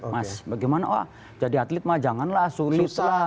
mas bagaimana wah jadi atlet mah janganlah sulit lah